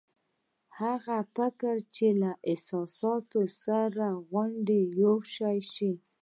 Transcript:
هغه فکر چې له احساس سره غوټه شوی وي.